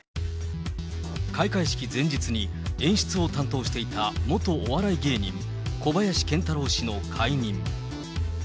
開会式前日に、演出を担当していた元お笑い芸人、小林賢太郎氏の解任。